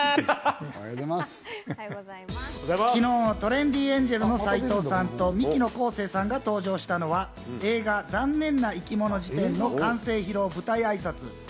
昨日、トレンディエンジェルの斎藤さんと、ミキの昴生さんが登場したのは映画『ざんねんないきもの事典』の完成披露舞台挨拶。